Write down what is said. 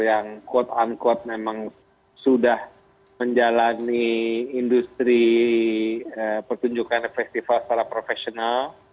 yang quote unquote memang sudah menjalani industri pertunjukan festival secara profesional